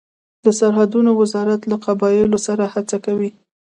د سرحدونو وزارت له قبایلو سره څه کوي؟